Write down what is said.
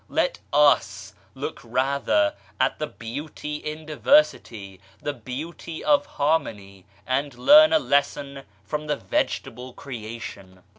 Let us look rather at the beauty in diversity, the beauty of harmony, and learn a lesson from the vegetable creation.